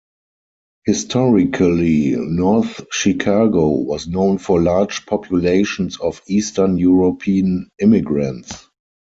Historically, North Chicago was known for large populations of Eastern European immigrants.